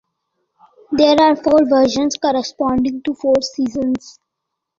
There are four versions corresponding to four seasons.